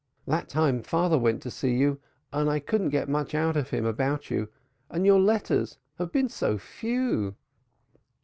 That time father went to see you I couldn't get much out of him about you, and your own letters have been so few."